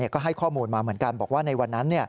ก็ให้ข้อมูลมาเหมือนกันบอกว่าในวันนั้น